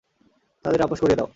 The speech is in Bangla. তাদের আপোষ করিয়ে দাও।